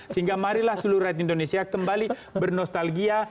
sehingga marilah seluruh rakyat indonesia kembali bernostalgia